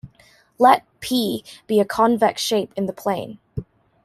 Let P be a convex shape in the plane.